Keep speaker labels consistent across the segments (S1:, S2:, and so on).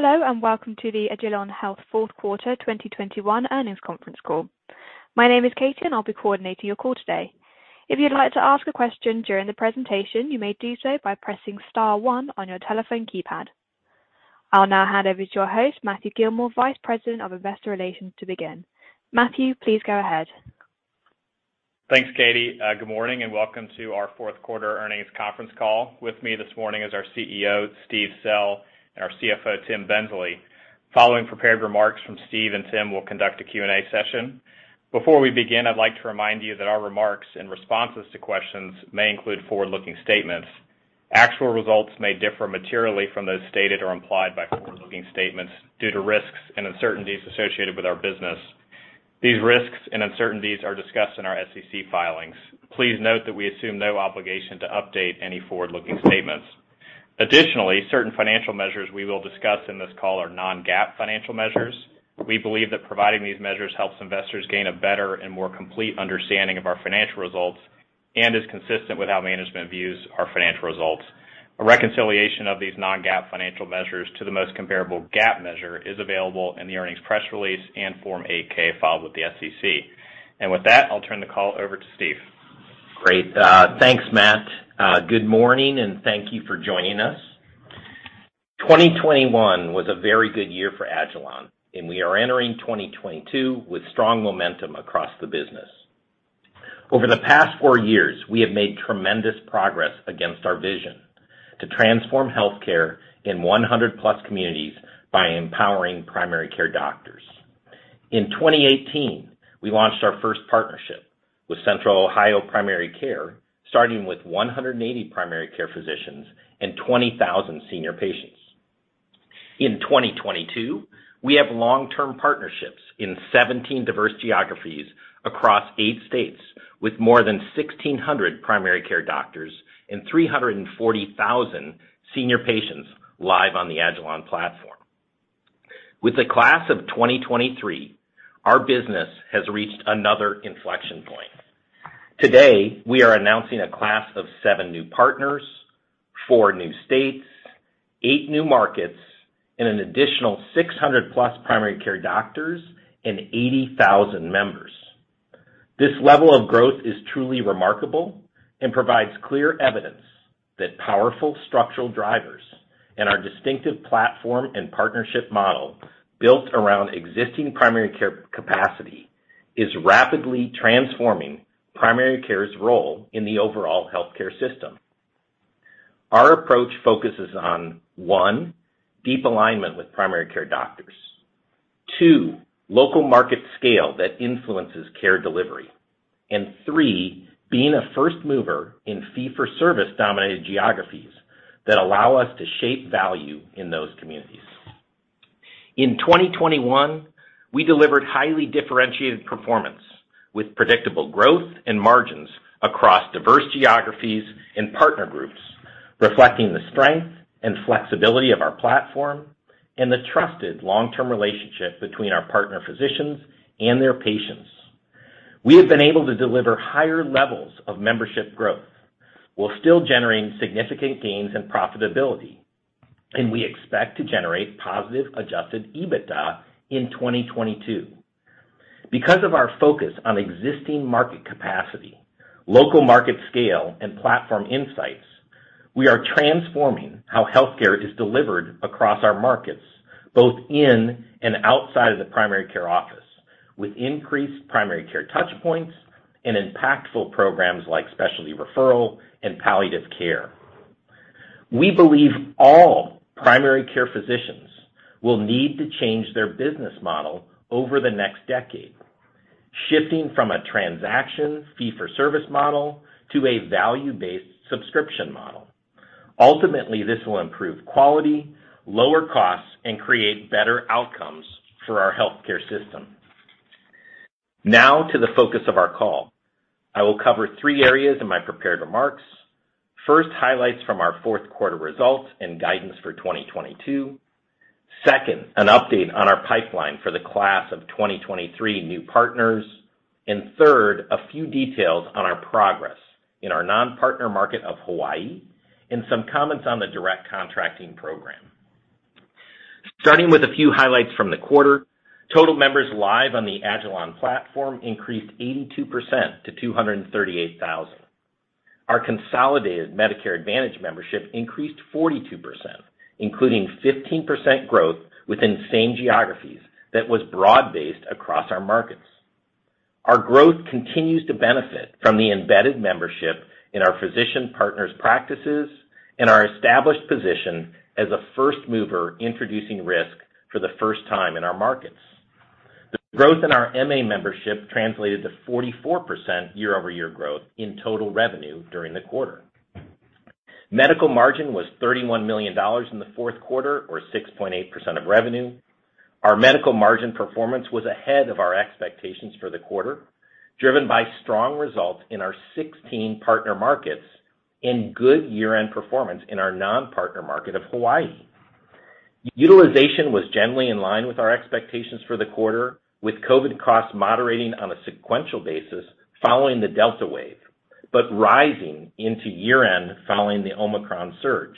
S1: Hello, and welcome to the agilon health Fourth Quarter 2021 earnings conference call. My name is Katie, and I'll be coordinating your call today. If you'd like to ask a question during the presentation, you may do so by pressing star one on your telephone keypad. I'll now hand over to your host, Matthew Gillmor, Vice President of Investor Relations, to begin. Matthew, please go ahead.
S2: Thanks, Katie. Good morning, and welcome to our fourth quarter earnings conference call. With me this morning is our CEO, Steve Sell, and our CFO, Tim Bensley. Following prepared remarks from Steve and Tim, we'll conduct a Q&A session. Before we begin, I'd like to remind you that our remarks and responses to questions may include forward-looking statements. Actual results may differ materially from those stated or implied by forward-looking statements due to risks and uncertainties associated with our business. These risks and uncertainties are discussed in our SEC filings. Please note that we assume no obligation to update any forward-looking statements. Additionally, certain financial measures we will discuss in this call are non-GAAP financial measures. We believe that providing these measures helps investors gain a better and more complete understanding of our financial results and is consistent with how management views our financial results. A reconciliation of these non-GAAP financial measures to the most comparable GAAP measure is available in the earnings press release and Form 8-K filed with the SEC. With that, I'll turn the call over to Steve.
S3: Great. Thanks, Matt. Good morning, and thank you for joining us. 2021 was a very good year for agilon, and we are entering 2022 with strong momentum across the business. Over the past four years, we have made tremendous progress against our vision to transform healthcare in 100+ communities by empowering primary care doctors. In 2018, we launched our first partnership with Central Ohio Primary Care, starting with 180 primary care physicians and 20,000 senior patients. In 2022, we have long-term partnerships in 17 diverse geographies across eight states with more than 1,600 primary care doctors and 340,000 senior patients live on the agilon platform. With the class of 2023, our business has reached another inflection point. Today, we are announcing a class of seven new partners, four new states, eight new markets, and an additional 600+ primary care doctors and 80,000 members. This level of growth is truly remarkable and provides clear evidence that powerful structural drivers and our distinctive platform and partnership model built around existing primary care capacity is rapidly transforming primary care's role in the overall healthcare system. Our approach focuses on, one, deep alignment with primary care doctors. Two, local market scale that influences care delivery. Three, being a first mover in fee-for-service dominated geographies that allow us to shape value in those communities. In 2021, we delivered highly differentiated performance with predictable growth and margins across diverse geographies and partner groups, reflecting the strength and flexibility of our platform and the trusted long-term relationship between our partner physicians and their patients. We have been able to deliver higher levels of membership growth while still generating significant gains in profitability, and we expect to generate positive Adjusted EBITDA in 2022. Because of our focus on existing market capacity, local market scale, and platform insights, we are transforming how healthcare is delivered across our markets, both in and outside of the primary care office, with increased primary care touch points and impactful programs like specialty referral and palliative care. We believe all primary care physicians will need to change their business model over the next decade, shifting from a transaction fee-for-service model to a value-based subscription model. Ultimately, this will improve quality, lower costs, and create better outcomes for our healthcare system. Now to the focus of our call. I will cover three areas in my prepared remarks. First, highlights from our fourth quarter results and guidance for 2022. Second, an update on our pipeline for the class of 2023 new partners. Third, a few details on our progress in our non-partner market of Hawaii and some comments on the Direct Contracting program. Starting with a few highlights from the quarter. Total members live on the agilon platform increased 82% to 238,000. Our consolidated Medicare Advantage membership increased 42%, including 15% growth within same geographies that was broad-based across our markets. Our growth continues to benefit from the embedded membership in our physician partners' practices and our established position as a first mover introducing risk for the first time in our markets. The growth in our MA membership translated to 44% year-over-year growth in total revenue during the quarter. Medical margin was $31 million in the fourth quarter or 6.8% of revenue. Our medical margin performance was ahead of our expectations for the quarter, driven by strong results in our 16 partner markets and good year-end performance in our non-partner market of Hawaii. Utilization was generally in line with our expectations for the quarter, with COVID costs moderating on a sequential basis following the Delta wave, rising into year-end following the Omicron surge.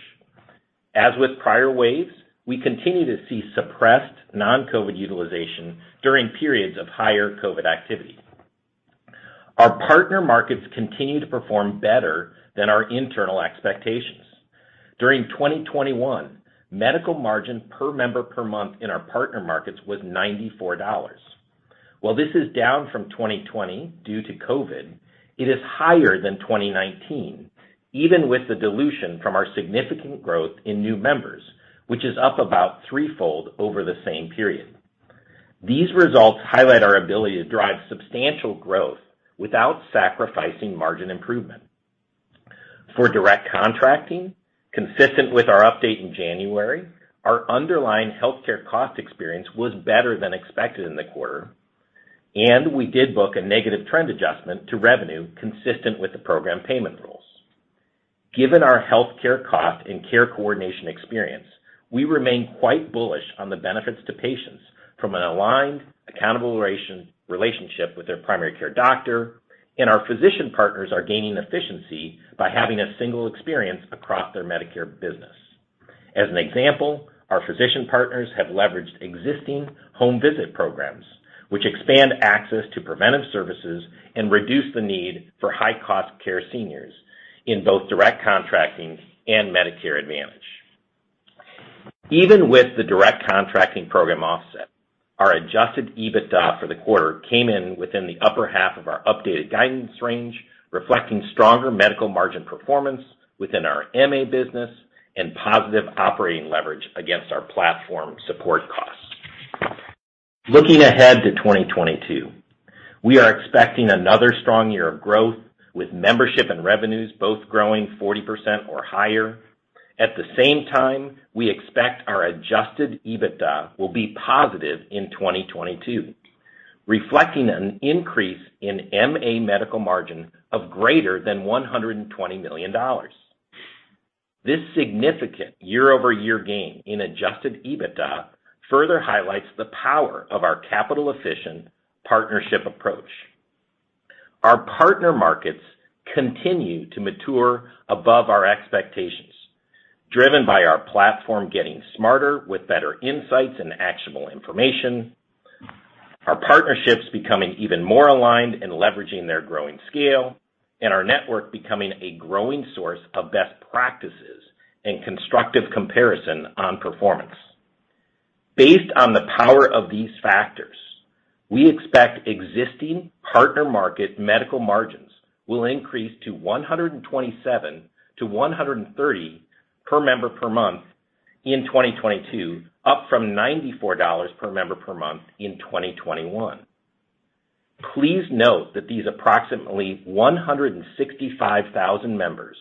S3: As with prior waves, we continue to see suppressed non-COVID utilization during periods of higher COVID activity. Our partner markets continue to perform better than our internal expectations. During 2021, medical margin per member per month in our partner markets was $94. While this is down from 2020 due to COVID, it is higher than 2019, even with the dilution from our significant growth in new members, which is up about threefold over the same period. These results highlight our ability to drive substantial growth without sacrificing margin improvement. For Direct Contracting, consistent with our update in January, our underlying healthcare cost experience was better than expected in the quarter, and we did book a negative trend adjustment to revenue consistent with the program payment rules. Given our healthcare cost and care coordination experience, we remain quite bullish on the benefits to patients from an aligned accountable relationship with their primary care doctor, and our physician partners are gaining efficiency by having a single experience across their Medicare business. As an example, our physician partners have leveraged existing home visit programs, which expand access to preventive services and reduce the need for high-cost care for seniors in both Direct Contracting and Medicare Advantage. Even with the Direct Contracting program offset, our Adjusted EBITDA for the quarter came in within the upper half of our updated guidance range, reflecting stronger medical margin performance within our MA business and positive operating leverage against our platform support costs. Looking ahead to 2022, we are expecting another strong year of growth, with membership and revenues both growing 40% or higher. At the same time, we expect our Adjusted EBITDA will be positive in 2022, reflecting an increase in MA medical margin of greater than $120 million. This significant year-over-year gain in Adjusted EBITDA further highlights the power of our capital-efficient partnership approach. Our partner markets continue to mature above our expectations, driven by our platform getting smarter with better insights and actionable information, our partnerships becoming even more aligned in leveraging their growing scale, and our network becoming a growing source of best practices and constructive comparison on performance. Based on the power of these factors, we expect existing partner market medical margins will increase to $127-$130 per member per month in 2022, up from $94 per member per month in 2021. Please note that these approximately 165,000 members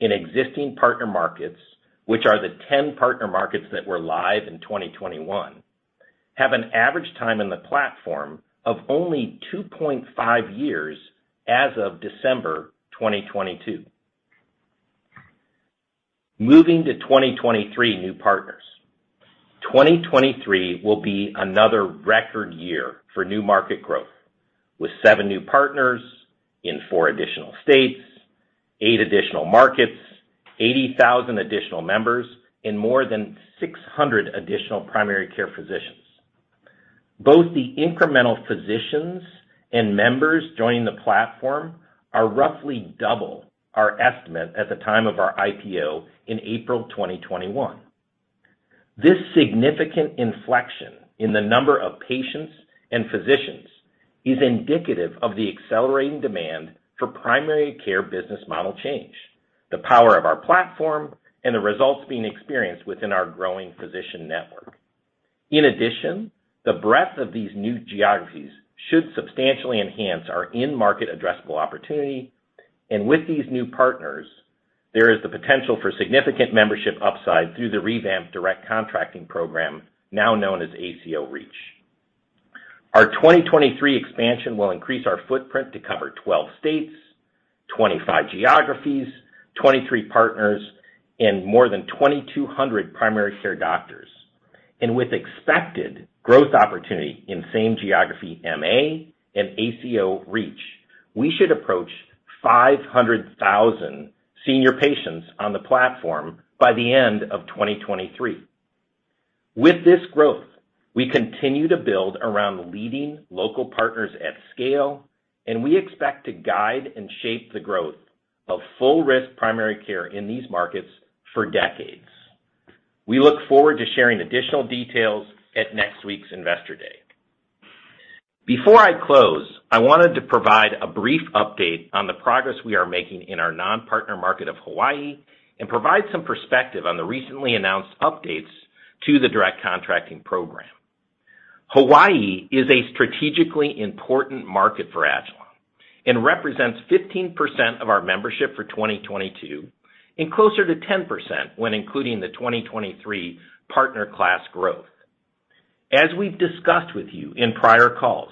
S3: in existing partner markets, which are the 10 partner markets that were live in 2021, have an average time in the platform of only 2.5 years as of December 2022. Moving to 2023 new partners. 2023 will be another record year for new market growth, with seven new partners in four additional states, eight additional markets, 80,000 additional members, and more than 600 additional primary care physicians. Both the incremental physicians and members joining the platform are roughly double our estimate at the time of our IPO in April 2021. This significant inflection in the number of patients and physicians is indicative of the accelerating demand for primary care business model change, the power of our platform, and the results being experienced within our growing physician network. In addition, the breadth of these new geographies should substantially enhance our in-market addressable opportunity. With these new partners, there is the potential for significant membership upside through the revamped Direct Contracting program, now known as ACO REACH. Our 2023 expansion will increase our footprint to cover 12 states, 25 geographies, 23 partners, and more than 2,200 primary care doctors. With expected growth opportunity in same geography MA and ACO REACH, we should approach 500,000 senior patients on the platform by the end of 2023. With this growth, we continue to build around leading local partners at scale, and we expect to guide and shape the growth of full risk primary care in these markets for decades. We look forward to sharing additional details at next week's Investor Day. Before I close, I wanted to provide a brief update on the progress we are making in our non-partner market of Hawaii and provide some perspective on the recently announced updates to the Direct Contracting program. Hawaii is a strategically important market for agilon and represents 15% of our membership for 2022 and closer to 10% when including the 2023 partner class growth. As we've discussed with you in prior calls,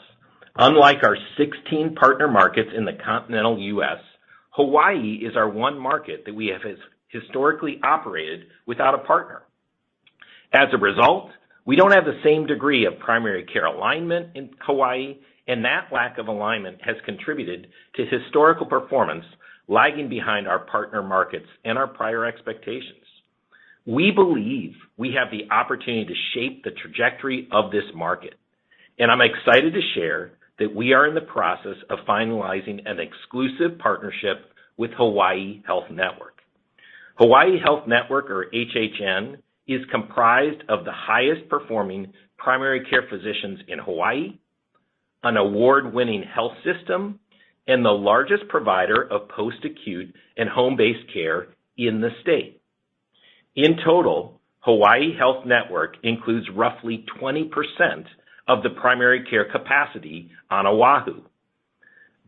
S3: unlike our 16 partner markets in the continental U.S., Hawaii is our one market that we have historically operated without a partner. As a result, we don't have the same degree of primary care alignment in Hawaii, and that lack of alignment has contributed to historical performance lagging behind our partner markets and our prior expectations. We believe we have the opportunity to shape the trajectory of this market, and I'm excited to share that we are in the process of finalizing an exclusive partnership with Hawaii Health Network. Hawaii Health Network, or HHN, is comprised of the highest-performing primary care physicians in Hawaii, an award-winning health system, and the largest provider of post-acute and home-based care in the state. In total, Hawaii Health Network includes roughly 20% of the primary care capacity on Oahu.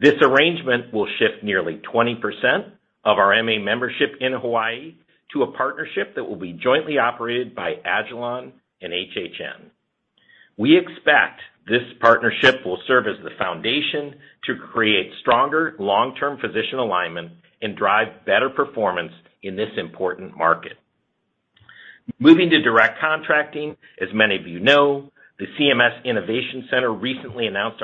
S3: This arrangement will shift nearly 20% of our MA membership in Hawaii to a partnership that will be jointly operated by agilon and HHN. We expect this partnership will serve as the foundation to create stronger long-term physician alignment and drive better performance in this important market. Moving to Direct Contracting, as many of you know, the CMS Innovation Center recently announced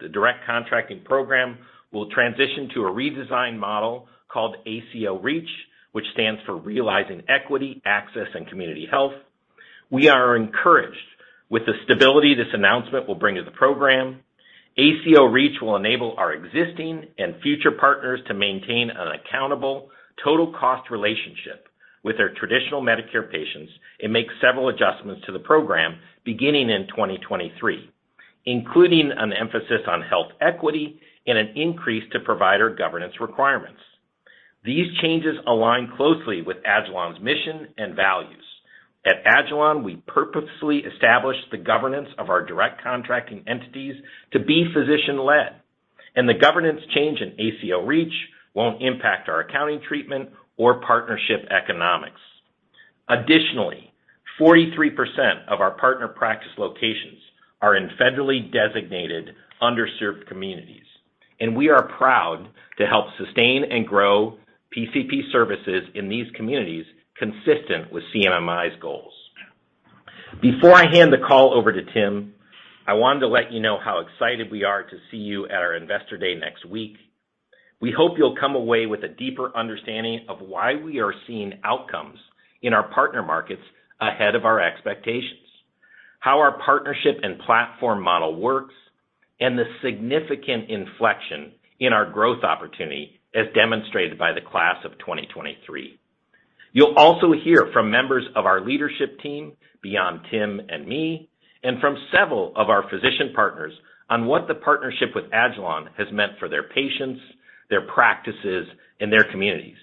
S3: the Direct Contracting program will transition to a redesigned model called ACO REACH, which stands for Realizing Equity, Access, and Community Health. We are encouraged with the stability this announcement will bring to the program. ACO REACH will enable our existing and future partners to maintain an accountable total cost relationship with their traditional Medicare patients and make several adjustments to the program beginning in 2023, including an emphasis on health equity and an increase to provider governance requirements. These changes align closely with agilon's mission and values. At agilon, we purposefully established the governance of our Direct Contracting entities to be physician-led, and the governance change in ACO REACH won't impact our accounting treatment or partnership economics. Additionally, 43% of our partner practice locations are in federally designated underserved communities, and we are proud to help sustain and grow PCP services in these communities consistent with CMMI's goals. Before I hand the call over to Tim, I wanted to let you know how excited we are to see you at our Investor Day next week. We hope you'll come away with a deeper understanding of why we are seeing outcomes in our partner markets ahead of our expectations, how our partnership and platform model works, and the significant inflection in our growth opportunity as demonstrated by the class of 2023. You'll also hear from members of our leadership team beyond Tim and me, and from several of our physician partners on what the partnership with agilon has meant for their patients, their practices, and their communities.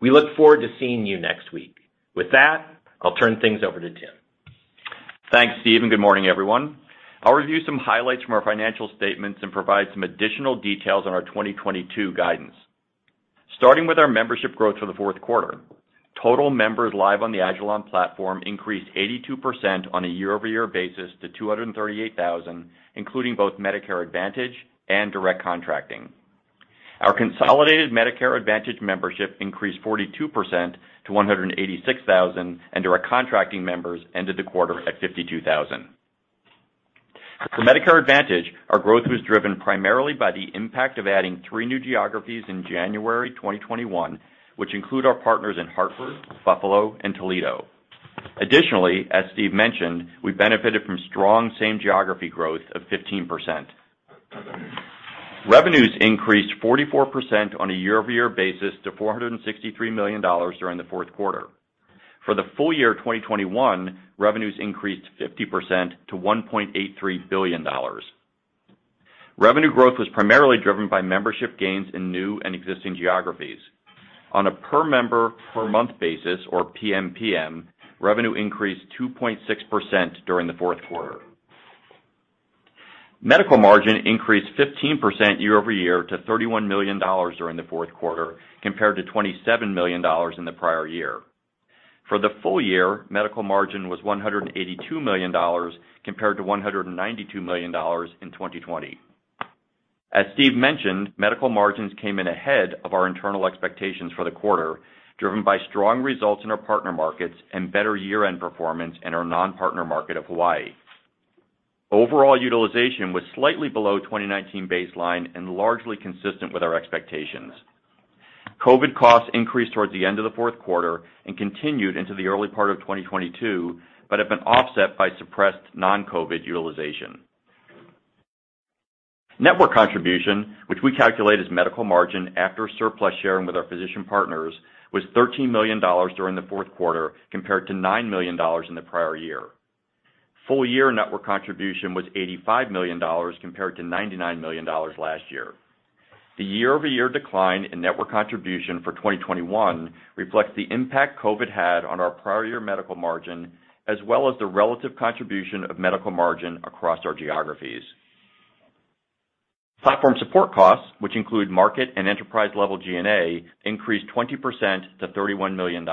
S3: We look forward to seeing you next week. With that, I'll turn things over to Tim.
S4: Thanks, Steve, and good morning, everyone. I'll review some highlights from our financial statements and provide some additional details on our 2022 guidance. Starting with our membership growth for the fourth quarter, total members live on the agilon platform increased 82% on a year-over-year basis to 238,000, including both Medicare Advantage and Direct Contracting. Our consolidated Medicare Advantage membership increased 42% to 186,000, and Direct Contracting members ended the quarter at 52,000. For Medicare Advantage, our growth was driven primarily by the impact of adding three new geographies in January 2021, which include our partners in Hartford, Buffalo, and Toledo. Additionally, as Steve mentioned, we benefited from strong same geography growth of 15%. Revenues increased 44% on a year-over-year basis to $463 million during the fourth quarter. For the full year 2021, revenues increased 50% to $1.83 billion. Revenue growth was primarily driven by membership gains in new and existing geographies. On a per member per month basis, or PMPM, revenue increased 2.6% during the fourth quarter. Medical margin increased 15% year-over-year to $31 million during the fourth quarter, compared to $27 million in the prior year. For the full year, medical margin was $182 million compared to $192 million in 2020. As Steve mentioned, medical margins came in ahead of our internal expectations for the quarter, driven by strong results in our partner markets and better year-end performance in our non-partner market of Hawaii. Overall utilization was slightly below 2019 baseline and largely consistent with our expectations. COVID costs increased towards the end of the fourth quarter and continued into the early part of 2022, but have been offset by suppressed non-COVID utilization. Network contribution, which we calculate as medical margin after surplus sharing with our physician partners, was $13 million during the fourth quarter compared to $9 million in the prior year. Full year network contribution was $85 million compared to $99 million last year. The year-over-year decline in network contribution for 2021 reflects the impact COVID had on our prior year medical margin, as well as the relative contribution of medical margin across our geographies. Platform support costs, which include market and enterprise-level G&A, increased 20% to $31 million.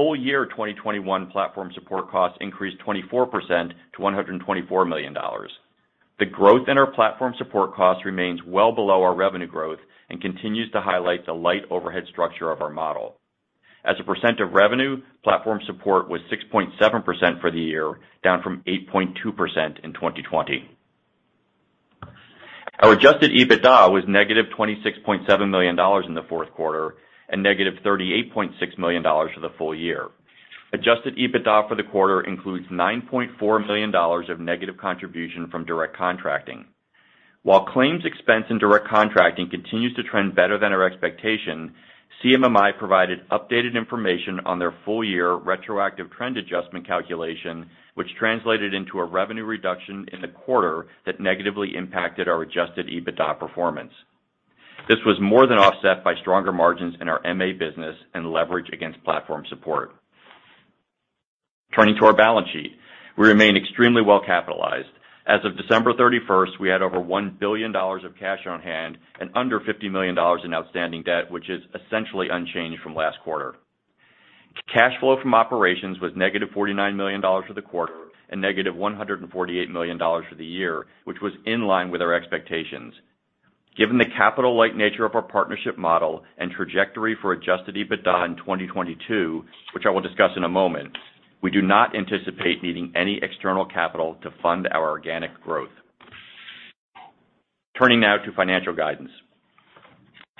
S4: Full year 2021 platform support costs increased 24% to $124 million. The growth in our platform support costs remains well below our revenue growth and continues to highlight the light overhead structure of our model. As a percent of revenue, platform support was 6.7% for the year, down from 8.2% in 2020. Our Adjusted EBITDA was -$26.7 million in the fourth quarter and -$38.6 million for the full year. Adjusted EBITDA for the quarter includes $9.4 million of negative contribution from Direct Contracting. While claims expense and Direct Contracting continues to trend better than our expectation, CMMI provided updated information on their full year retroactive trend adjustment calculation, which translated into a revenue reduction in the quarter that negatively impacted our Adjusted EBITDA performance. This was more than offset by stronger margins in our MA business and leverage against platform support. Turning to our balance sheet. We remain extremely well capitalized. As of December 31st, we had over $1 billion of cash on hand and under $50 million in outstanding debt, which is essentially unchanged from last quarter. Cash flow from operations was -$49 million for the quarter and -$148 million for the year, which was in line with our expectations. Given the capital-light nature of our partnership model and trajectory for Adjusted EBITDA in 2022, which I will discuss in a moment, we do not anticipate needing any external capital to fund our organic growth. Turning now to financial guidance.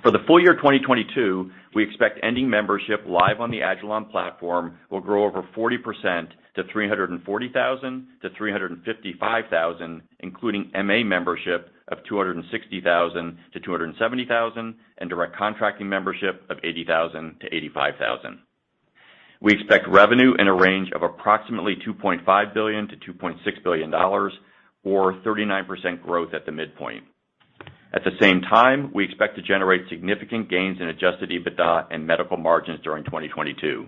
S4: For the full year 2022, we expect ending membership live on the agilon platform will grow over 40% to 340,000-355,000, including MA membership of 260,000-270,000, and Direct Contracting membership of 80,000-85,000. We expect revenue in a range of approximately $2.5 billion-$2.6 billion or 39% growth at the midpoint. At the same time, we expect to generate significant gains in Adjusted EBITDA and medical margins during 2022.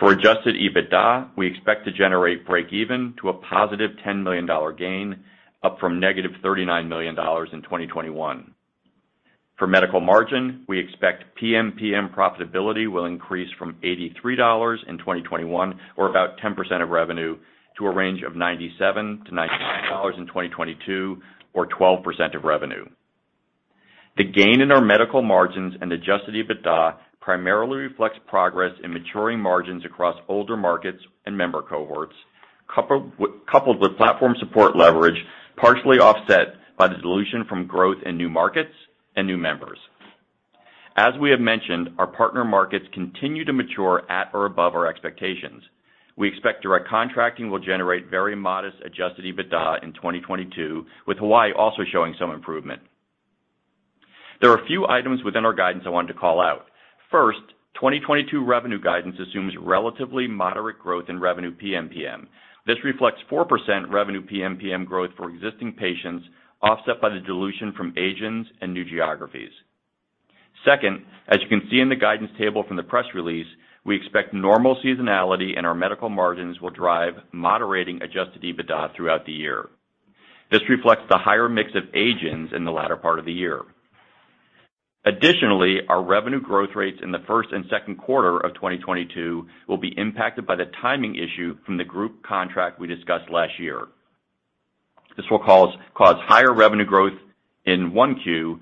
S4: For Adjusted EBITDA, we expect to generate breakeven to a +$10 million gain, up from -$39 million in 2021. For medical margin, we expect PMPM profitability will increase from $83 in 2021 or about 10% of revenue to a range of $97-$99 in 2022 or 12% of revenue. The gain in our medical margins and Adjusted EBITDA primarily reflects progress in maturing margins across older markets and member cohorts, coupled with platform support leverage, partially offset by the dilution from growth in new markets and new members. As we have mentioned, our partner markets continue to mature at or above our expectations. We expect Direct Contracting will generate very modest Adjusted EBITDA in 2022, with Hawaii also showing some improvement. There are a few items within our guidance I wanted to call out. First, 2022 revenue guidance assumes relatively moderate growth in revenue PMPM. This reflects 4% revenue PMPM growth for existing patients, offset by the dilution from age-ins and new geographies. Second, as you can see in the guidance table from the press release, we expect normal seasonality and our medical margins will drive moderating Adjusted EBITDA throughout the year. This reflects the higher mix of age-ins in the latter part of the year. Additionally, our revenue growth rates in the first and second quarter of 2022 will be impacted by the timing issue from the group contract we discussed last year. This will cause higher revenue growth in 1Q,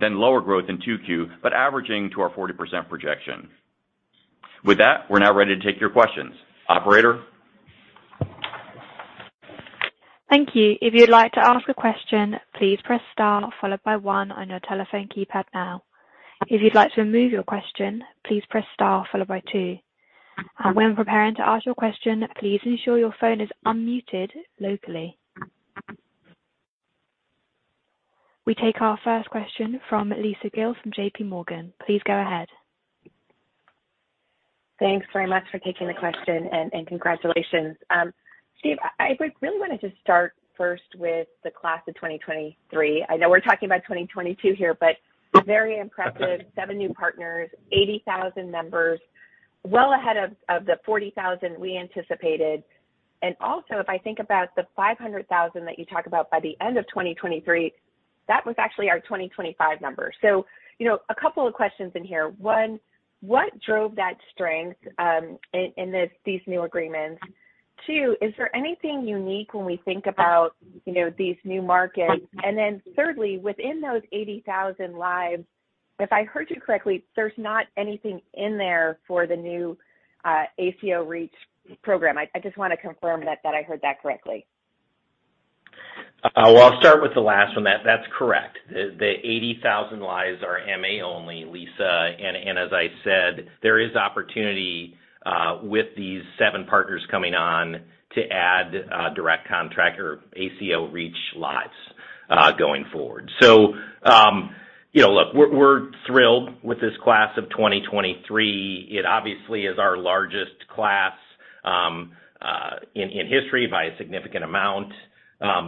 S4: then lower growth in 2Q, but averaging to our 40% projection. With that, we're now ready to take your questions. Operator?
S1: We take our first question from Lisa Gill from JPMorgan. Please go ahead.
S5: Thanks very much for taking the question, and congratulations. Steve, I would really wanted to start first with the class of 2023. I know we're talking about 2022 here, but very impressive. Seven new partners, 80,000 members, well ahead of the 40,000 we anticipated. Also, if I think about the 500,000 that you talk about by the end of 2023, that was actually our 2025 number. You know, a couple of questions in here. One, what drove that strength in these new agreements? Two, is there anything unique when we think about, you know, these new markets? And then thirdly, within those 80,000 lives, if I heard you correctly, there's not anything in there for the new ACO REACH program. I just wanna confirm that I heard that correctly.
S3: Well, I'll start with the last one. That's correct. The 80,000 lives are MA only, Lisa. And as I said, there is opportunity with these seven partners coming on to add Direct Contracting or ACO REACH lives going forward. You know, look, we're thrilled with this class of 2023. It obviously is our largest class in history by a significant amount.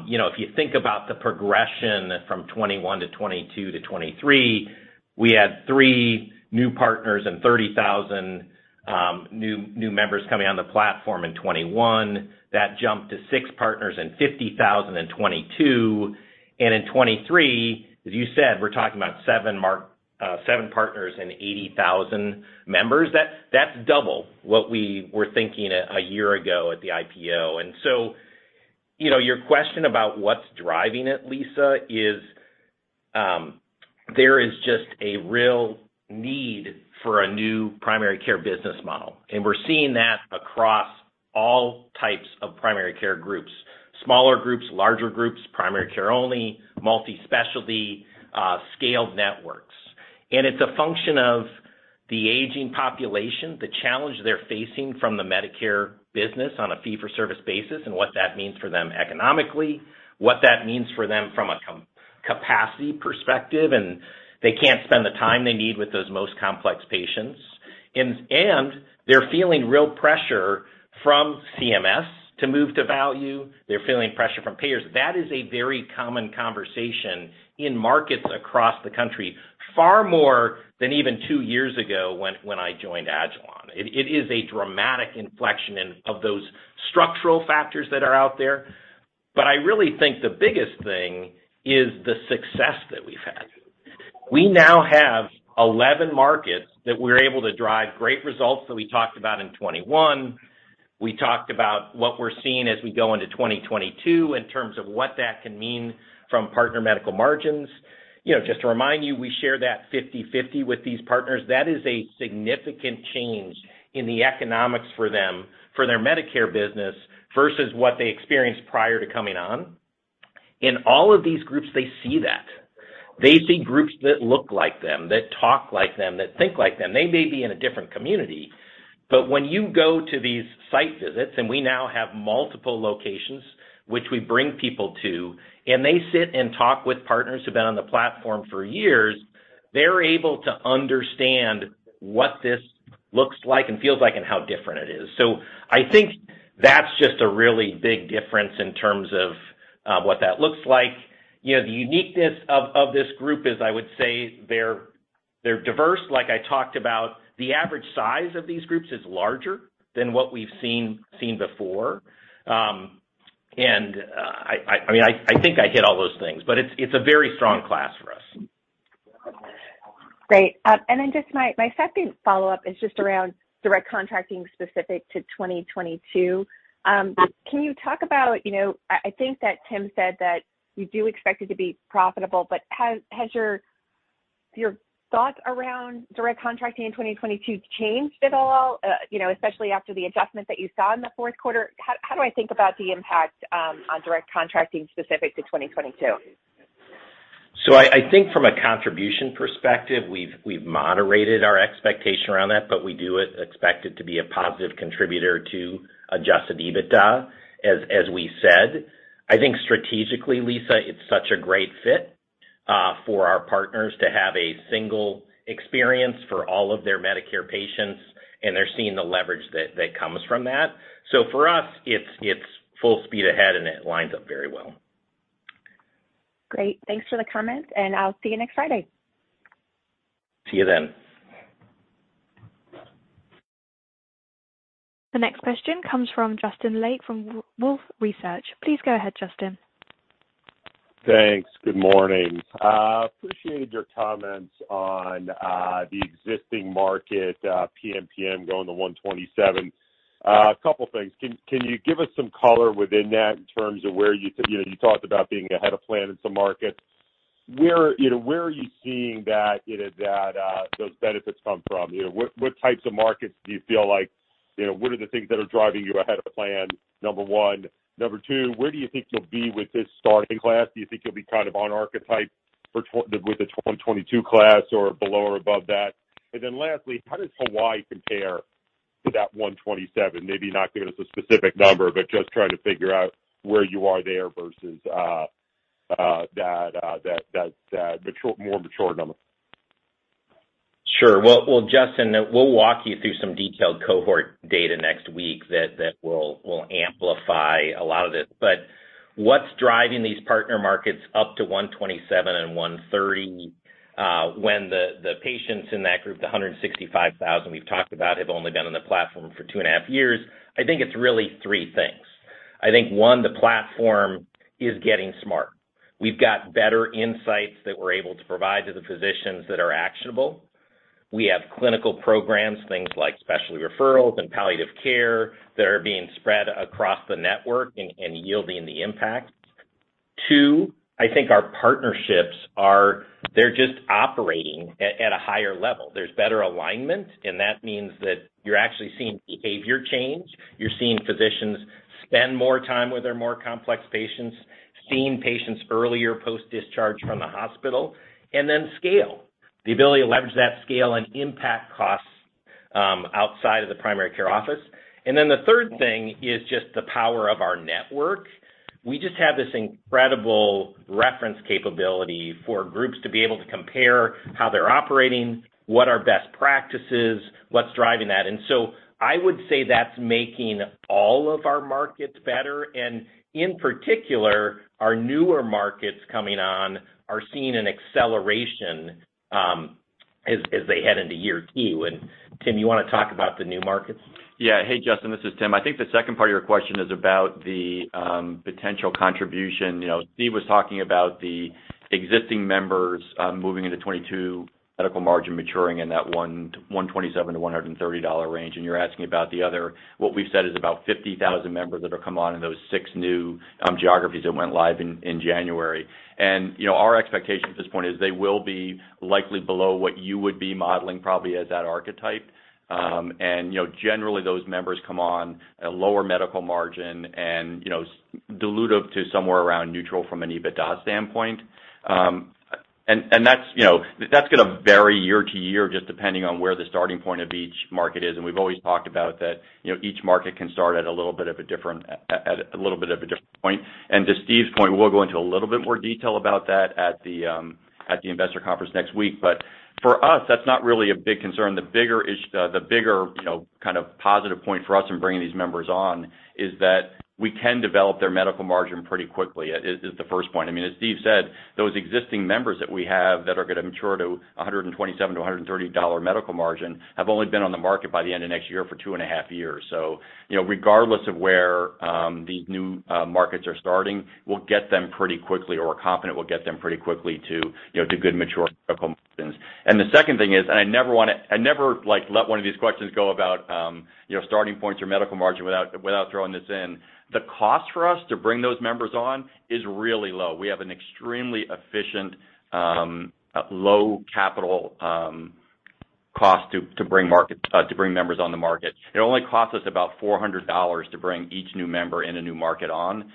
S3: You know, if you think about the progression from 2021 to 2022 to 2023, we had three new partners and 30,000 new members coming on the platform in 2021. That jumped to six partners and 50,000 in 2022. In 2023, as you said, we're talking about seven partners and 80,000 members. That's double what we were thinking a year ago at the IPO. You know, your question about what's driving it, Lisa, is there is just a real need for a new primary care business model. We're seeing that across all types of primary care groups, smaller groups, larger groups, primary care only, multi-specialty, scaled networks. It's a function of the aging population, the challenge they're facing from the Medicare business on a fee-for-service basis, and what that means for them economically, what that means for them from a capacity perspective, and they can't spend the time they need with those most complex patients. They're feeling real pressure from CMS to move to value. They're feeling pressure from payers. That is a very common conversation in markets across the country, far more than even two years ago when I joined agilon. It is a dramatic inflection of those structural factors that are out there. I really think the biggest thing is the success that we've had. We now have 11 markets that we're able to drive great results that we talked about in 2021. We talked about what we're seeing as we go into 2022 in terms of what that can mean from partner medical margins. You know, just to remind you, we share that 50/50 with these partners. That is a significant change in the economics for them, for their Medicare business versus what they experienced prior to coming on. In all of these groups, they see that. They see groups that look like them, that talk like them, that think like them. They may be in a different community, but when you go to these site visits, and we now have multiple locations which we bring people to, and they sit and talk with partners who've been on the platform for years, they're able to understand what this looks like and feels like and how different it is. I think that's just a really big difference in terms of what that looks like. You know, the uniqueness of this group is I would say they're diverse. Like I talked about, the average size of these groups is larger than what we've seen before. I mean, I think I hit all those things, but it's a very strong class for us.
S5: Great. My second follow-up is just around Direct Contracting specific to 2022. Can you talk about, you know, I think that Tim said that you do expect it to be profitable, but has your thoughts around Direct Contracting in 2022 changed at all, you know, especially after the adjustment that you saw in the fourth quarter? How do I think about the impact on Direct Contracting specific to 2022?
S3: I think from a contribution perspective, we've moderated our expectation around that, but we do expect it to be a positive contributor to Adjusted EBITDA, as we said. I think strategically, Lisa, it's such a great fit for our partners to have a single experience for all of their Medicare patients, and they're seeing the leverage that comes from that. For us, it's full speed ahead, and it lines up very well.
S5: Great. Thanks for the comment, and I'll see you next Friday.
S3: See you then.
S1: The next question comes from Justin Lake from Wolfe Research. Please go ahead, Justin.
S6: Thanks. Good morning. Appreciated your comments on the existing market, PMPM going to $127. A couple of things. Can you give us some color within that in terms of where you said, you know, you talked about being ahead of plan in some markets. Where, you know, where are you seeing that, you know, that those benefits come from? You know, what types of markets do you feel like, you know, what are the things that are driving you ahead of plan, number one? Number two, where do you think you'll be with this starting class? Do you think you'll be kind of on archetype for with the 2022 class or below or above that? Then lastly, how does Hawaii compare to that $127? Maybe not give us a specific number, but just trying to figure out where you are there versus that more mature number.
S3: Sure. Well, Justin, we'll walk you through some detailed cohort data next week that will amplify a lot of this. What's driving these partner markets up to $127 and $130, when the patients in that group, the 165,000 we've talked about, have only been on the platform for 2.5 years? I think it's really three things. I think, one, the platform is getting smart. We've got better insights that we're able to provide to the physicians that are actionable. We have clinical programs, things like specialty referrals and palliative care that are being spread across the network and yielding the impact. Two, I think our partnerships are, they're just operating at a higher level. There's better alignment, and that means that you're actually seeing behavior change. You're seeing physicians spend more time with their more complex patients, seeing patients earlier post-discharge from the hospital, and then scale. The ability to leverage that scale and impact costs outside of the primary care office. The third thing is just the power of our network. We just have this incredible reference capability for groups to be able to compare how they're operating, what are best practices, what's driving that. I would say that's making all of our markets better, and in particular, our newer markets coming on are seeing an acceleration, as they head into year two. Tim, you wanna talk about the new markets?
S4: Yeah. Hey, Justin, this is Tim. I think the second part of your question is about the potential contribution. You know, Steve was talking about the existing members moving into 2022 medical margin maturing in that $127-$130 range, and you're asking about the other. What we've said is about 50,000 members that'll come on in those six new geographies that went live in January. You know, our expectation at this point is they will be likely below what you would be modeling probably as that archetype. You know, generally, those members come on at a lower medical margin and dilutive to somewhere around neutral from an EBITDA standpoint. That's gonna vary year to year just depending on where the starting point of each market is, and we've always talked about that, you know, each market can start at a little bit of a different point. To Steve's point, we'll go into a little bit more detail about that at the investor conference next week. For us, that's not really a big concern. The bigger, you know, kind of positive point for us in bringing these members on is that we can develop their medical margin pretty quickly is the first point. I mean, as Steve said, those existing members that we have that are gonna mature to $127-$130 medical margin have only been on the market by the end of next year for 2.5 years. You know, regardless of where these new markets are starting, we'll get them pretty quickly or we're confident we'll get them pretty quickly to, you know, to good mature medical margins. The second thing is, I never wanna—I never like let one of these questions go about, you know, starting points or medical margin without throwing this in, the cost for us to bring those members on is really low. We have an extremely efficient, low capital cost to bring members on the market. It only costs us about $400 to bring each new member in a new market on.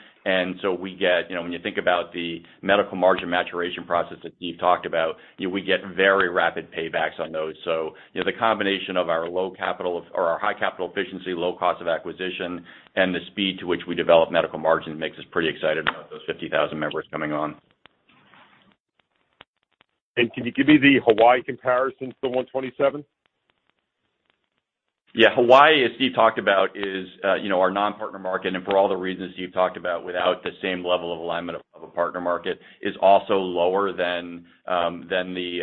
S4: We get, you know, when you think about the medical margin maturation process that Steve talked about, you know, we get very rapid paybacks on those. You know, the combination of our low capital or our high capital efficiency, low cost of acquisition, and the speed to which we develop medical margin makes us pretty excited about those 50,000 members coming on.
S6: Can you give me the Hawaii comparison to the $127?
S4: Yeah. Hawaii, as Steve talked about, is, you know, our non-partner market, and for all the reasons Steve talked about without the same level of alignment of a partner market, is also lower than the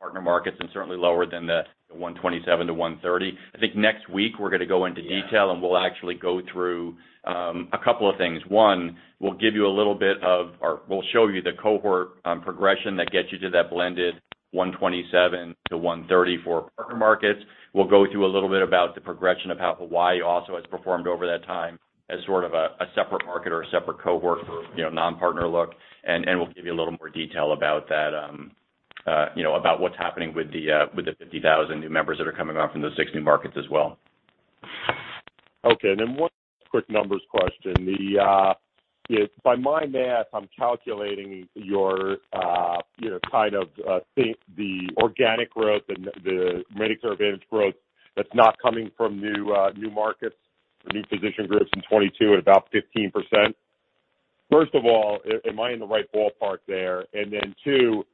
S4: partner markets and certainly lower than the $127-$130. I think next week we're gonna go into detail, and we'll actually go through a couple of things. One, we'll show you the cohort progression that gets you to that blended $127-$130 for partner markets. We'll go through a little bit about the progression of how Hawaii also has performed over that time as sort of a separate market or a separate cohort for, you know, non-partner look. We'll give you a little more detail about that, you know, about what's happening with the 50,000 new members that are coming on from those six new markets as well.
S6: Okay. One quick numbers question. If by my math, I'm calculating your, you know, kind of, the organic growth and the Medicare Advantage growth that's not coming from new markets or new physician groups in 2022 at about 15%. First of all, am I in the right ballpark there? Two, can you split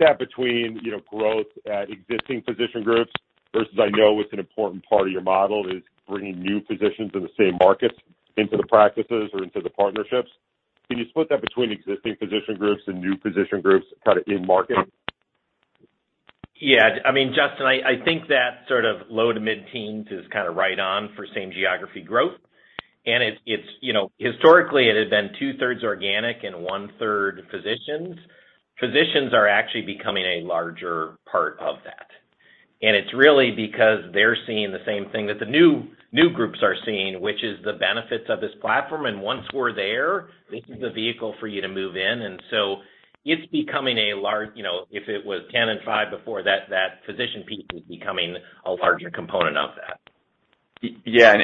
S6: that between, you know, growth at existing physician groups versus I know it's an important part of your model is bringing new physicians in the same markets into the practices or into the partnerships. Can you split that between existing physician groups and new physician groups kind of in market?
S3: Yeah. I mean, Justin, I think that sort of low to mid-teens is kind of right on for same geography growth. It's, you know, historically it has been 2/3 organic and 1/3 physicians. Physicians are actually becoming a larger part of that. It's really because they're seeing the same thing that the new groups are seeing, which is the benefits of this platform. Once we're there, this is a vehicle for you to move in. It's becoming a large, you know, if it was 10 and five before that physician piece is becoming a larger component of that.
S4: Yeah.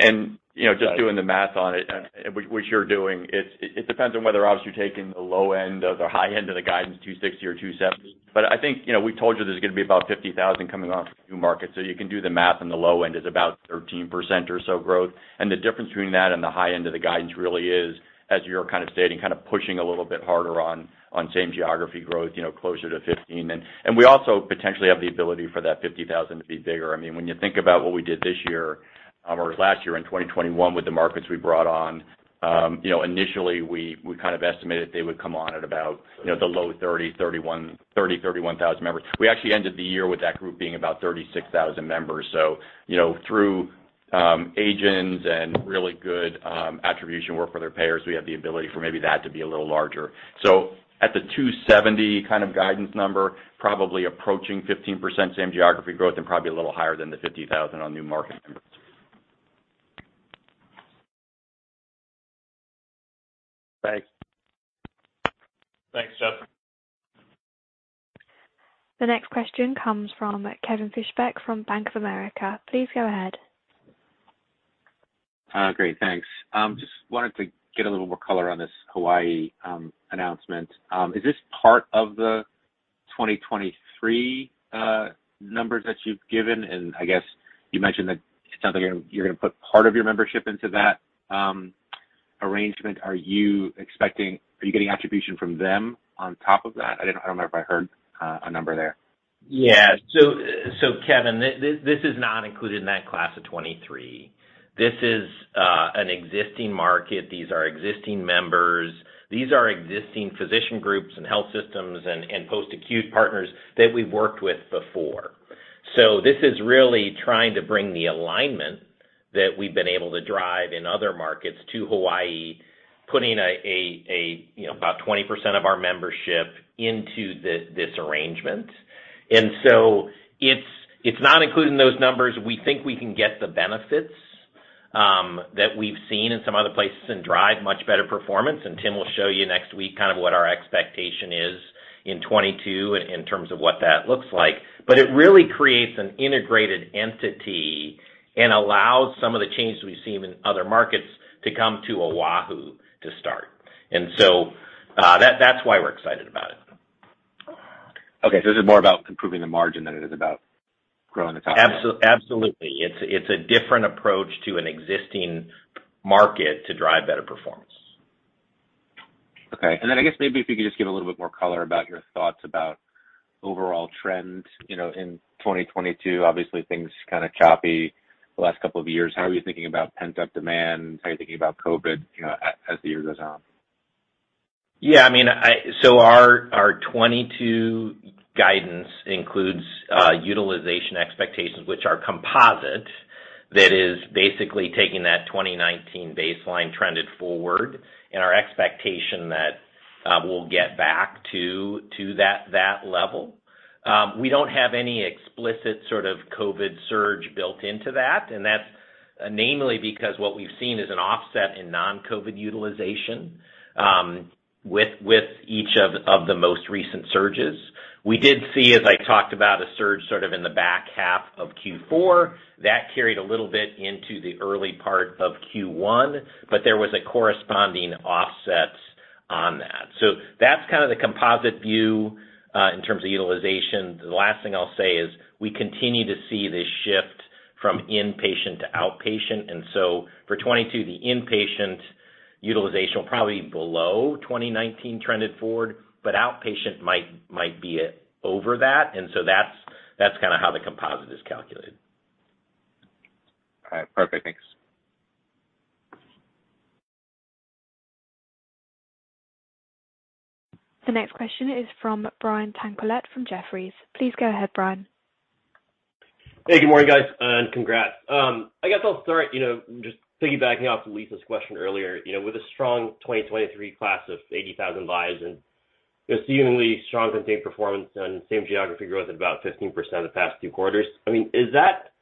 S4: You know, just doing the math on it, which you're doing it depends on whether obviously you're taking the low end or the high end of the guidance, 260 or 270. I think, you know, we told you there's gonna be about 50,000 coming off the new market, so you can do the math, and the low end is about 13% or so growth. The difference between that and the high end of the guidance really is, as you're kind of stating, kind of pushing a little bit harder on same geography growth, you know, closer to 15%. We also potentially have the ability for that 50,000 to be bigger. I mean, when you think about what we did this year, or last year in 2021 with the markets we brought on, you know, initially we kind of estimated they would come on at about, you know, the low 30,000, 31,000 members. We actually ended the year with that group being about 36,000 members. You know, through age-ins and really good attribution work for their payers, we have the ability for maybe that to be a little larger. At the 270 kind of guidance number, probably approaching 15% same geography growth and probably a little higher than the 50,000 on new market members.
S6: Thanks.
S3: Thanks, Justin.
S1: The next question comes from Kevin Fischbeck from Bank of America. Please go ahead.
S7: Great, thanks. Just wanted to get a little more color on this Hawaii announcement. Is this part of the 2023 numbers that you've given? I guess you mentioned that it sounds like you're gonna put part of your membership into that arrangement. Are you getting attribution from them on top of that? I don't know if I heard a number there.
S3: Yeah. Kevin, this is not included in that class of 2023. This is an existing market. These are existing members. These are existing physician groups and health systems and post-acute partners that we've worked with before. This is really trying to bring the alignment that we've been able to drive in other markets to Hawaii, putting you know, about 20% of our membership into this arrangement. It's not included in those numbers. We think we can get the benefits that we've seen in some other places and drive much better performance. Tim will show you next week kind of what our expectation is in 2022 in terms of what that looks like. It really creates an integrated entity and allows some of the changes we've seen in other markets to come to Oahu to start. That's why we're excited about it.
S7: Okay. This is more about improving the margin than it is about growing the top line.
S3: Absolutely. It's a different approach to an existing market to drive better performance.
S7: Okay. I guess maybe if you could just give a little bit more color about your thoughts about overall trends, you know, in 2022. Obviously things kind of choppy the last couple of years. How are you thinking about pent-up demand? How are you thinking about COVID, you know, as the year goes on?
S3: Yeah, I mean, so our 2022 guidance includes utilization expectations, which are composite. That is basically taking that 2019 baseline trended forward and our expectation that we'll get back to that level. We don't have any explicit sort of COVID surge built into that, and that's namely because what we've seen is an offset in non-COVID utilization with each of the most recent surges. We did see, as I talked about, a surge sort of in the back half of Q4 that carried a little bit into the early part of Q1, but there was a corresponding offset on that. That's kind of the composite view in terms of utilization. The last thing I'll say is we continue to see this shift from inpatient to outpatient. For 2022, the inpatient utilization will probably be below 2019 trended forward, but outpatient might be over that. That's kind of how the composite is calculated.
S7: All right. Perfect. Thanks.
S1: The next question is from Brian Tanquilut from Jefferies. Please go ahead, Brian.
S8: Hey, good morning, guys, and congrats. I guess I'll start, you know, just piggybacking off of Lisa's question earlier. You know, with a strong 2023 class of 80,000 lives and assuming strong contained performance and same geography growth at about 15% the past two quarters, I mean, is that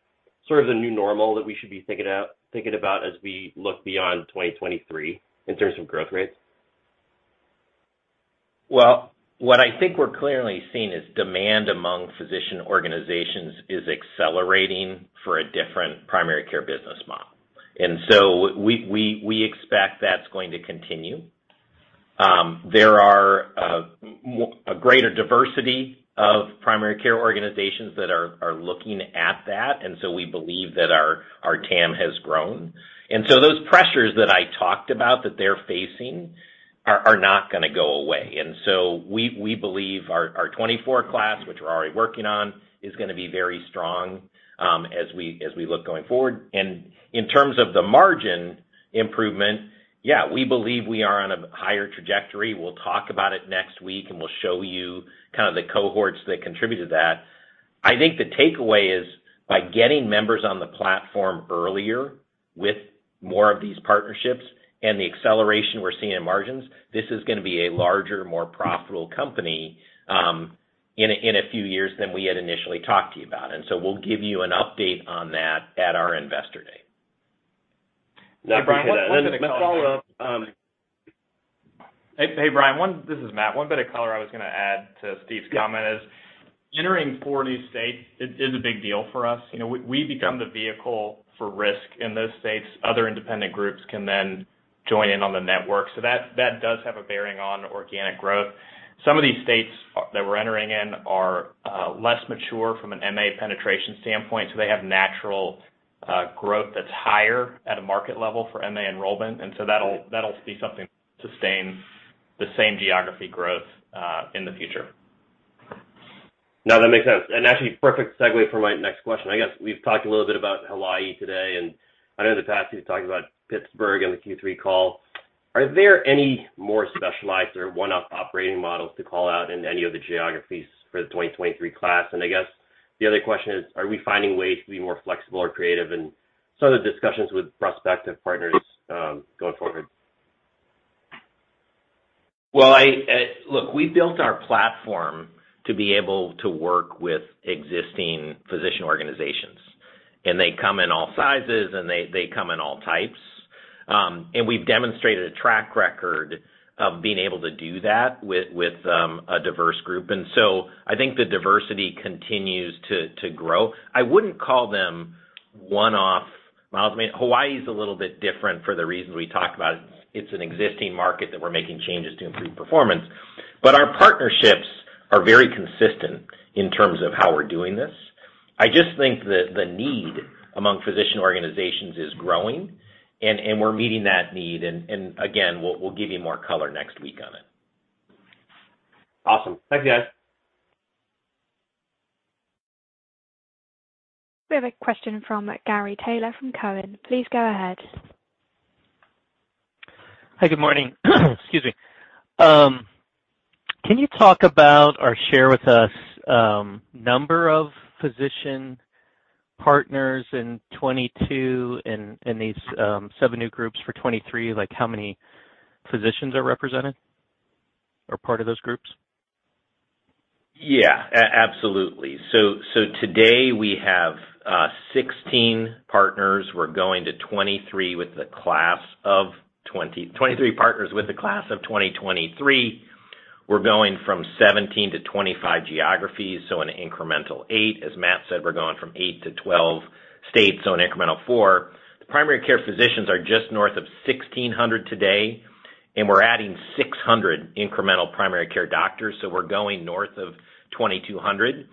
S8: sort of the new normal that we should be thinking about as we look beyond 2023 in terms of growth rates?
S3: Well, what I think we're clearly seeing is demand among physician organizations is accelerating for a different primary care business model. We expect that's going to continue. There are a greater diversity of primary care organizations that are looking at that, and so we believe that our TAM has grown. Those pressures that I talked about that they're facing are not gonna go away. We believe our 2024 class, which we're already working on, is gonna be very strong, as we look going forward. In terms of the margin improvement, yeah, we believe we are on a higher trajectory. We'll talk about it next week, and we'll show you kind of the cohorts that contribute to that. I think the takeaway is by getting members on the platform earlier with more of these partnerships and the acceleration we're seeing in margins, this is gonna be a larger, more profitable company, in a few years than we had initially talked to you about. We'll give you an update on that at our Investor Day.
S2: Now, Brian, one bit of color- Hey, Brian. This is Matt. One bit of color I was gonna add to Steve's comment is entering 40 states is a big deal for us. You know, we become the vehicle for risk in those states. Other independent groups can then join in on the network. That does have a bearing on organic growth. Some of these states that we're entering in are less mature from an MA penetration standpoint, so they have natural growth that's higher at a market level for MA enrollment. That'll be something to sustain the same geography growth in the future.
S8: No, that makes sense. Actually, perfect segue for my next question. I guess we've talked a little bit about Hawaii today, and I know in the past, you've talked about Pittsburgh on the Q3 call. Are there any more specialized or one-off operating models to call out in any of the geographies for the 2023 class? And I guess the other question is, are we finding ways to be more flexible or creative in some of the discussions with prospective partners, going forward?
S3: Well, look, we built our platform to be able to work with existing physician organizations, and they come in all sizes, and they come in all types. We've demonstrated a track record of being able to do that with a diverse group. So I think the diversity continues to grow. I wouldn't call them one-off models. I mean, Hawaii is a little bit different for the reasons we talked about. It's an existing market that we're making changes to improve performance. Our partnerships are very consistent in terms of how we're doing this. I just think that the need among physician organizations is growing, and we're meeting that need. Again, we'll give you more color next week on it.
S8: Awesome. Thanks, guys.
S1: We have a question from Gary Taylor from Cowen. Please go ahead.
S9: Hi, good morning. Excuse me. Can you talk about or share with us, number of physician partners in 2022 and these seven new groups for 2023, like how many physicians are represented or part of those groups?
S3: Absolutely. Today we have 16 partners. We're going to 2023 with the class of 2023. We're going from 17 to 25 geographies, an incremental eight. As Matt said, we're going from eight to 12 states, an incremental four. The primary care physicians are just north of 1,600 today, and we're adding 600 incremental primary care doctors, so we're going north of 2,200.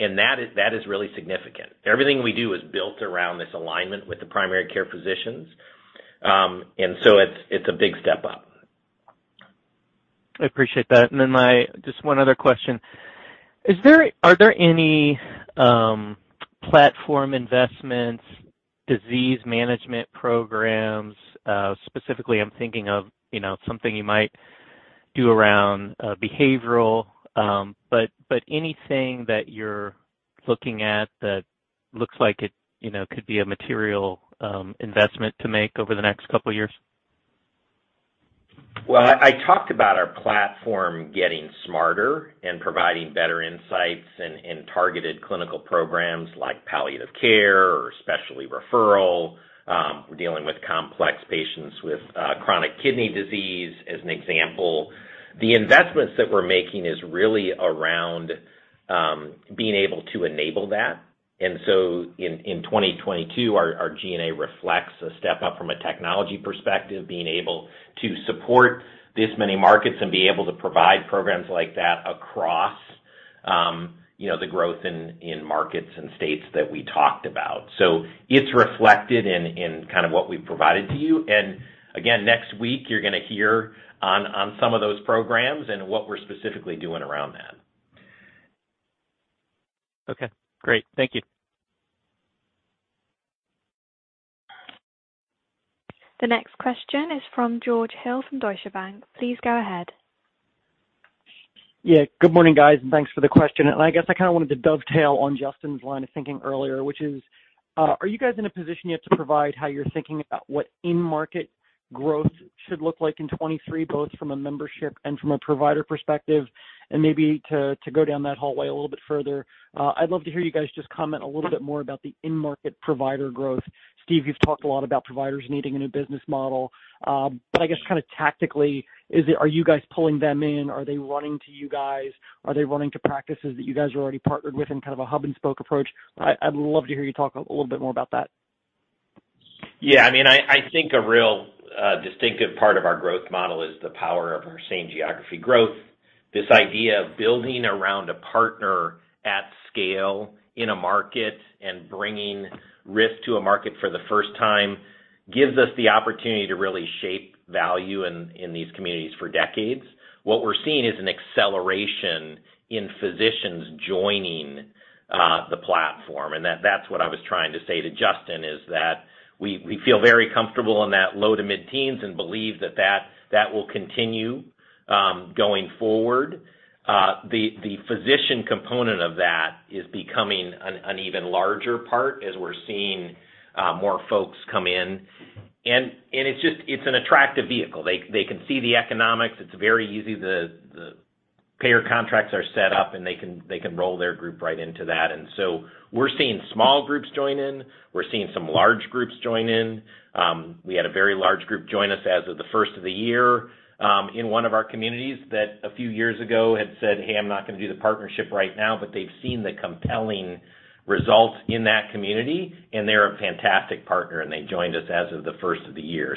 S3: That is really significant. Everything we do is built around this alignment with the primary care physicians. It's a big step up.
S9: I appreciate that. Just one other question. Are there any platform investments, disease management programs, specifically I'm thinking of, you know, something you might do around, behavioral, but anything that you're looking at that looks like it, you know, could be a material investment to make over the next couple years?
S3: Well, I talked about our platform getting smarter and providing better insights and targeted clinical programs like palliative care or specialty referral, dealing with complex patients with chronic kidney disease, as an example. The investments that we're making is really around being able to enable that. In 2022, our G&A reflects a step up from a technology perspective, being able to support this many markets and be able to provide programs like that across, you know, the growth in markets and states that we talked about. It's reflected in kind of what we provided to you. Again, next week, you're gonna hear on some of those programs and what we're specifically doing around that.
S9: Okay, great. Thank you.
S1: The next question is from George Hill from Deutsche Bank. Please go ahead.
S10: Yeah, good morning, guys, and thanks for the question. I guess I kinda wanted to dovetail on Justin's line of thinking earlier, which is, are you guys in a position yet to provide how you're thinking about what in-market growth should look like in 2023, both from a membership and from a provider perspective? Maybe to go down that hallway a little bit further, I'd love to hear you guys just comment a little bit more about the in-market provider growth. Steve, you've talked a lot about providers needing a new business model. I guess kinda tactically, are you guys pulling them in? Are they running to you guys? Are they running to practices that you guys are already partnered with in kind of a hub and spoke approach? I'd love to hear you talk a little bit more about that.
S3: Yeah. I mean, I think a real distinctive part of our growth model is the power of our same geography growth. This idea of building around a partner at scale in a market and bringing risk to a market for the first time gives us the opportunity to really shape value in these communities for decades. What we're seeing is an acceleration in physicians joining the platform. That's what I was trying to say to Justin, is that we feel very comfortable in that low- to mid-teens and believe that will continue going forward. The physician component of that is becoming an even larger part as we're seeing more folks come in. It's just an attractive vehicle. They can see the economics. The payer contracts are set up, and they can roll their group right into that. We're seeing small groups join in. We're seeing some large groups join in. We had a very large group join us as of the first of the year in one of our communities that a few years ago had said, "Hey, I'm not gonna do the partnership right now," but they've seen the compelling results in that community, and they're a fantastic partner, and they joined us as of the first of the year.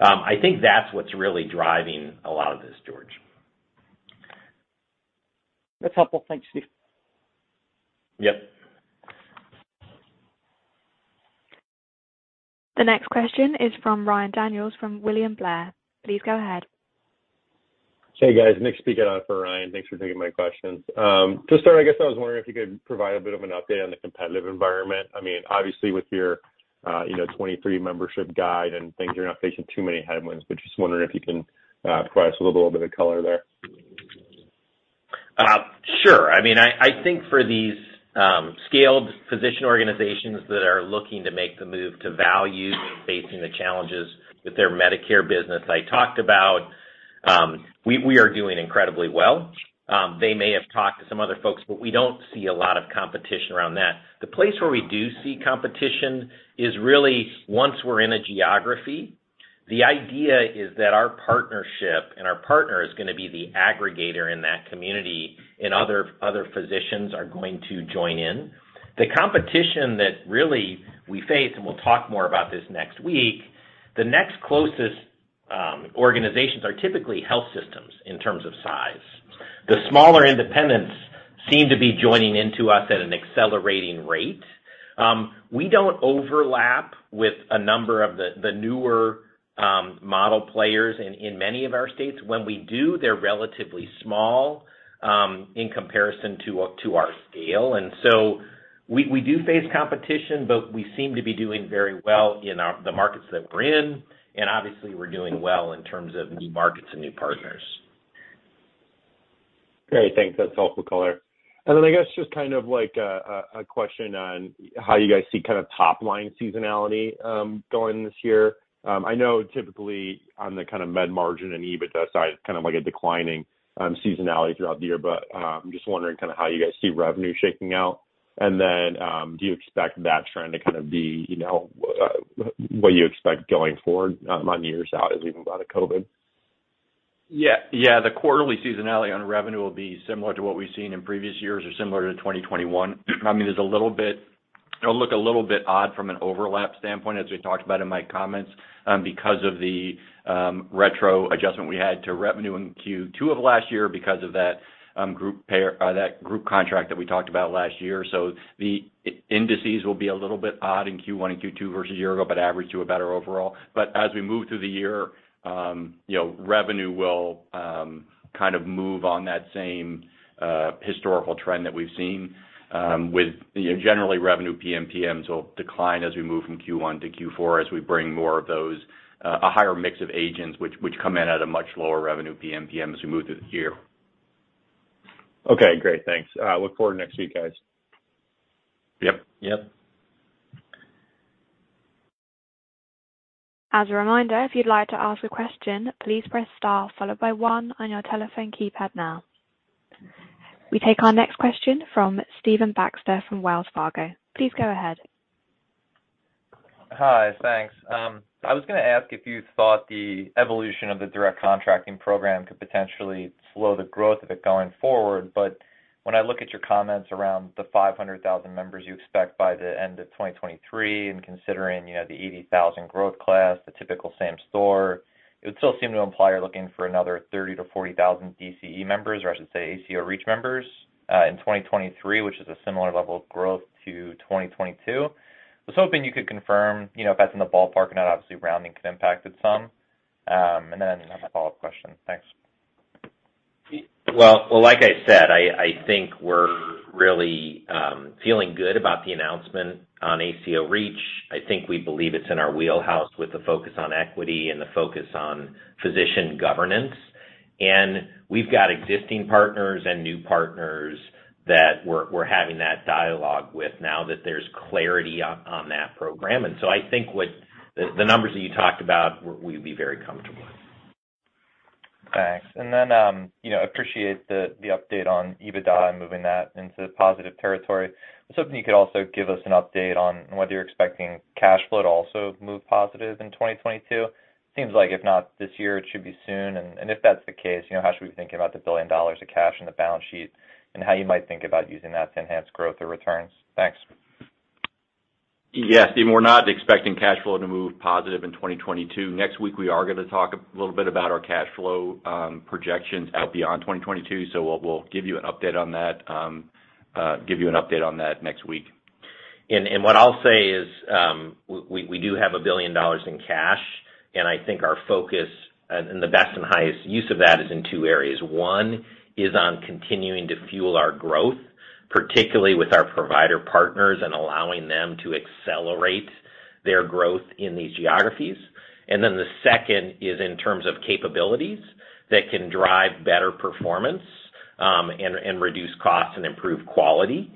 S3: I think that's what's really driving a lot of this, George.
S10: That's helpful. Thanks, Steve.
S3: Yep.
S1: The next question is from Ryan Daniels from William Blair. Please go ahead.
S11: Hey, guys. Nick speaking on it for Ryan. Thanks for taking my questions. To start, I guess I was wondering if you could provide a bit of an update on the competitive environment. I mean, obviously with your 2023 membership guidance and things, you're not facing too many headwinds, but just wondering if you can provide us with a little bit of color there.
S3: Sure. I mean, I think for these scaled physician organizations that are looking to make the move to value, facing the challenges with their Medicare business I talked about, we are doing incredibly well. They may have talked to some other folks, but we don't see a lot of competition around that. The place where we do see competition is really once we're in a geography. The idea is that our partnership and our partner is gonna be the aggregator in that community and other physicians are going to join in. The competition that really we face, and we'll talk more about this next week, the next closest organizations are typically health systems in terms of size. The smaller independents seem to be joining into us at an accelerating rate. We don't overlap with a number of the newer model players in many of our states. When we do, they're relatively small in comparison to our scale. We do face competition, but we seem to be doing very well in the markets that we're in and obviously we're doing well in terms of new markets and new partners.
S11: Great. Thanks. That's helpful color. I guess just kind of like a question on how you guys see kind of top line seasonality going this year. I know typically on the kind of med margin and EBITDA side, it's kind of like a declining seasonality throughout the year, but I'm just wondering kind of how you guys see revenue shaking out. Do you expect that trend to kind of be, you know, what you expect going forward on years out as we come out of COVID?
S3: Yeah. The quarterly seasonality on revenue will be similar to what we've seen in previous years or similar to 2021. I mean, it'll look a little bit odd from an overlap standpoint as we talked about in my comments, because of the retro adjustment we had to revenue in Q2 of last year because of that group contract that we talked about last year. The indices will be a little bit odd in Q1 and Q2 versus a year ago, but average to a better overall. As we move through the year, you know, revenue will kind of move on that same historical trend that we've seen with, you know, generally revenue PMPMs will decline as we move from Q1 to Q4, as we bring more of those, a higher mix of age-ins which come in at a much lower revenue PMPM as we move through the year.
S11: Okay, great. Thanks. I look forward to next week, guys.
S3: Yep. Yep.
S1: As a reminder, if you'd like to ask a question, please press star followed by one on your telephone keypad now. We take our next question from Stephen Baxter from Wells Fargo. Please go ahead.
S12: Hi, thanks. I was gonna ask if you thought the evolution of the Direct Contracting program could potentially slow the growth of it going forward. When I look at your comments around the 500,000 members you expect by the end of 2023, and considering, you know, the 80,000 growth class, the typical same store, it would still seem to imply you're looking for another 30,000-40,000 DCE members, or I should say ACO REACH members, in 2023, which is a similar level of growth to 2022. I was hoping you could confirm, you know, if that's in the ballpark or not. Obviously, rounding could impact it some. And then I have a follow-up question. Thanks.
S3: Well, like I said, I think we're really feeling good about the announcement on ACO REACH. I think we believe it's in our wheelhouse with the focus on equity and the focus on physician governance. We've got existing partners and new partners that we're having that dialogue with now that there's clarity on that program. I think the numbers that you talked about we'd be very comfortable with.
S12: Thanks. You know, I appreciate the update on EBITDA and moving that into positive territory. I was hoping you could also give us an update on whether you're expecting cash flow to also move positive in 2022. Seems like if not this year, it should be soon. If that's the case, you know, how should we think about the $1 billion of cash in the balance sheet, and how you might think about using that to enhance growth or returns? Thanks.
S3: Yes, Steve, we're not expecting cash flow to move positive in 2022. Next week, we are gonna talk a little bit about our cash flow projections out beyond 2022. We'll give you an update on that next week. What I'll say is, we do have $1 billion in cash, and I think our focus and the best and highest use of that is in two areas. One is on continuing to fuel our growth, particularly with our provider partners and allowing them to accelerate their growth in these geographies. The second is in terms of capabilities that can drive better performance, and reduce costs and improve quality.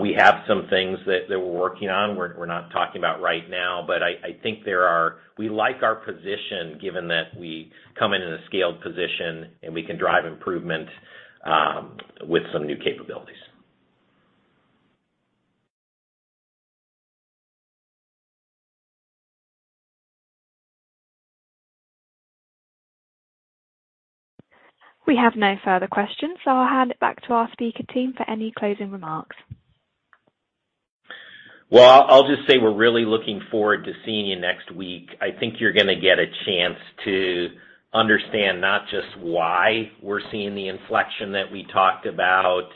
S3: We have some things that we're working on, we're not talking about right now, but I think there are. We like our position given that we come in in a scaled position and we can drive improvement with some new capabilities.
S1: We have no further questions, so I'll hand it back to our speaker team for any closing remarks.
S3: Well, I'll just say we're really looking forward to seeing you next week. I think you're gonna get a chance to understand not just why we're seeing the inflection that we talked about,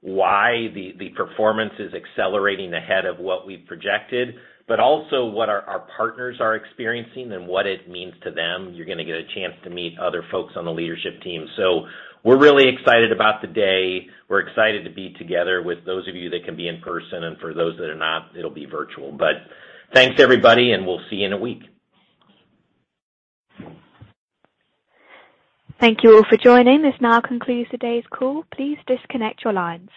S3: why the performance is accelerating ahead of what we projected, but also what our partners are experiencing and what it means to them. You're gonna get a chance to meet other folks on the leadership team. So we're really excited about the day. We're excited to be together with those of you that can be in person, and for those that are not, it'll be virtual. Thanks everybody, and we'll see you in a week.
S1: Thank you all for joining. This now concludes today's call. Please disconnect your lines.